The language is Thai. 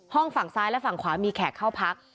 ห้องฝั่งซ้ายและฝั่งขวามีแขกเข้าพัก